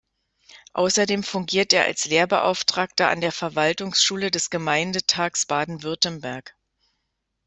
Außerdem fungiert er als Lehrbeauftragter an der Verwaltungsschule des Gemeindetags Baden-Württemberg.